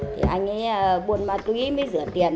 thì anh ấy buồn mà tùy mới rửa tiền